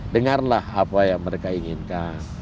dengarlah apa yang mereka inginkan